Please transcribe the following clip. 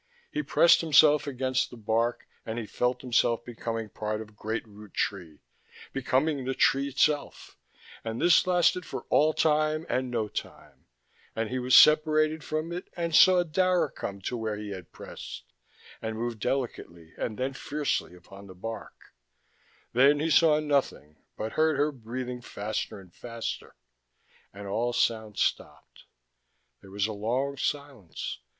He pressed himself against the bark and he felt himself becoming part of Great Root Tree, becoming the tree itself; and this lasted for all time and no time, and he was separated from it and saw Dara come to where he had pressed, and move delicately and then fiercely upon the bark; then he saw nothing but heard her breathing faster and faster, and all sound stopped ... there was a long silence